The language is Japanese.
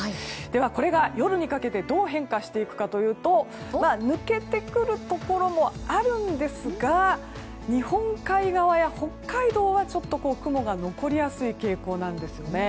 では、これが夜にかけてどう変化していくかというと抜けてくるところもあるんですが日本海側や北海道は雲が残りやすい傾向なんですよね。